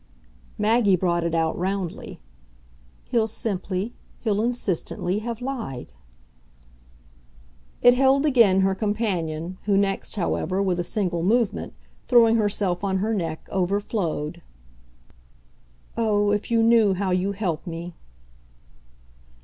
Maggie brought it out roundly. "He'll simply, he'll insistently have lied." It held again her companion, who next, however, with a single movement, throwing herself on her neck, overflowed. "Oh, if you knew how you help me!"